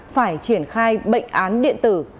phải triển khai bệnh án điện tử